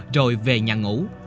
rồi về nhà ngủ